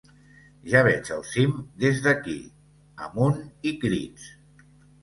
Ja veig el cim des d'aquí... Amunt i crits!